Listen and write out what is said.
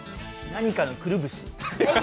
何かのくるぶし？